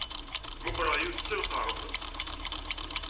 Mmuqqleɣ yiwet s lqerb.